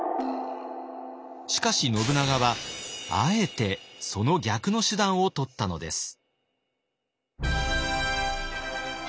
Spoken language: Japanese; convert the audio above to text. しかし信長はあえてその逆の手段をとったのです。